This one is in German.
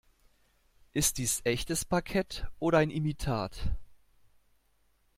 Ist dies echtes Parkett oder ein Imitat?